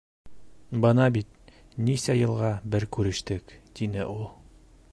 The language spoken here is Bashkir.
— Бына бит, нисә йылға бер күрештек, — тине ул.